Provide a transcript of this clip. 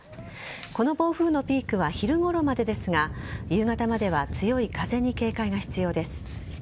この暴風のピークは昼ごろまでですが夕方までは強い風に警戒が必要です。